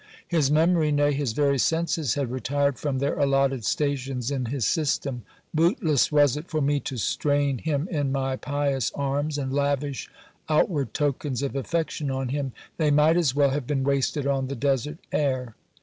His memory, nay, his very senses had retired from their allotted stations in his system. Bootless was it for me to' strain him in my pious arms, and lavish ourward tokens of affection on him: they might as well have been wasted on the desert air.